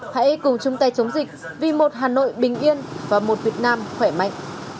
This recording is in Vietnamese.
hãy cùng chung tay chống dịch vì một hà nội bình yên và một việt nam khỏe mạnh